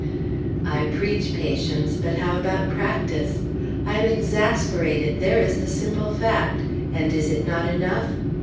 I preach patience; but how about practice? I am exasperated! there is the simple fact. And is it not enough?